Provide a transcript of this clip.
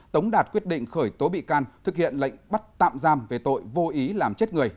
tống đạt quyết định khởi tố bị can thực hiện lệnh bắt tạm giam về tội vô ý làm chết người